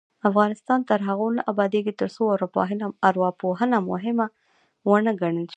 افغانستان تر هغو نه ابادیږي، ترڅو ارواپوهنه مهمه ونه ګڼل شي.